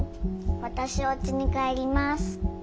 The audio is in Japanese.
わたしおうちに帰ります。